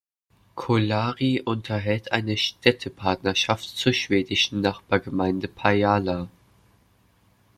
Kolari unterhält eine Städtepartnerschaft zur schwedischen Nachbargemeinde Pajala.